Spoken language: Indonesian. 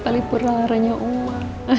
pelipul laranya ma